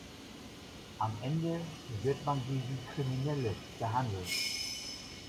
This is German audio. Am Ende wird man sie wie Kriminelle behandeln.